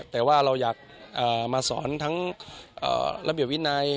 แต่ว่าเราอยากมาสอนทั้งระเบียบวินัย